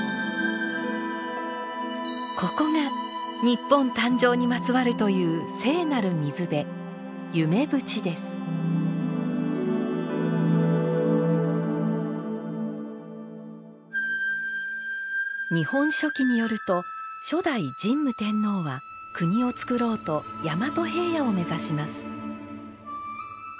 ここが日本誕生にまつわるという聖なる水辺「日本書紀」によると初代神武天皇は国をつくろうと大和平野を目指します。